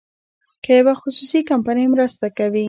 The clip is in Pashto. که یوه خصوصي کمپنۍ مرسته کوي.